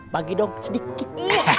bagi dong sedikit